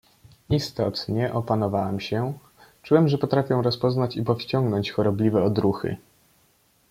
"Istotnie opanowałem się, czułem, że potrafię rozpoznać i powściągnąć chorobliwe odruchy."